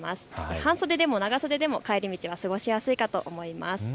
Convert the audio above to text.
半袖でも長袖でも帰り道が過ごしやすいかと思います。